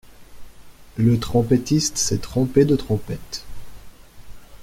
Le trompetiste s'est trompé de trompette.